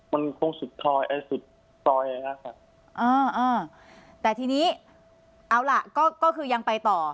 มันคงสุดซอยเลยนะครับแต่ทีนี้เอาล่ะก็คือยังไปต่อ